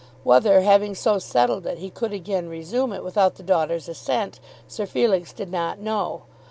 Whether having so settled it, he could again resume it without the daughter's assent, Sir Felix did not know.